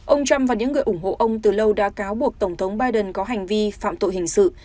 ông trump và những người ủng hộ ông từ lâu đã cáo buộc tổng thống biden có hành vi phạm tội hình sự